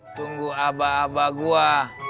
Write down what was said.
tunggu abah abah gue